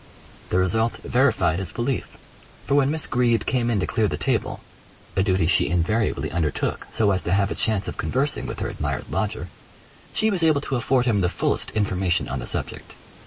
The result verified his belief, for when Miss Greeb came in to clear the table a duty she invariably undertook so as to have a chance of conversing with her admired lodger she was able to afford him the fullest information on the subject.